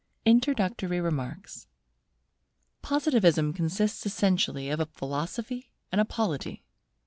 INTRODUCTORY REMARKS Positivism consists essentially of a Philosophy and a Polity.